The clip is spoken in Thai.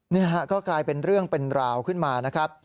นี่ฮะก็กลายเป็นเรื่องเป็นราวขึ้นมานะครับ